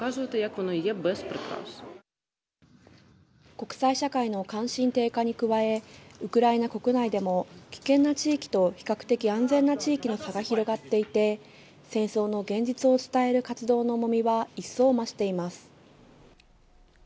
国際社会の関心低下に加え、ウクライナ国内でも危険な地域と比較的安全な地域の差が広がっていて、戦争の現実を伝える活動の重みは一層ましています。